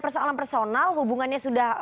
persoalan personal hubungannya sudah